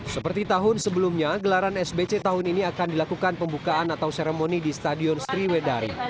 seperti tahun sebelumnya gelaran sbc tahun ini akan dilakukan pembukaan atau seremoni di stadion sriwedari